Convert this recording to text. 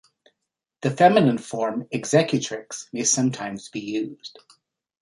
The feminine form, executrix, may sometimes be used.